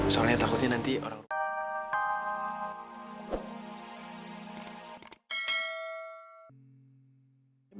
soalnya takutnya nanti orang